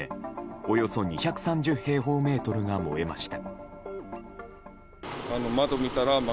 およそ２３０平方メートルが燃えました。